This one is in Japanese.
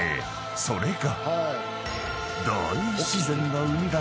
［それが］